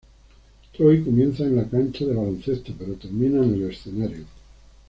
Troy comienza en la cancha de baloncesto, pero termina en el escenario.